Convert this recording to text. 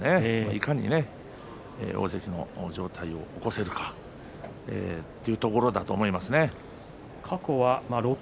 いかに大関の上体を起こせるかそこがポイントだと思います。